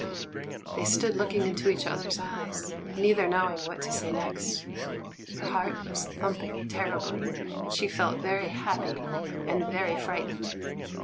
They stood looking into each other's eyes, neither knowing what to say next. Her heart was thumping terribly, and she felt very happy and very frightened.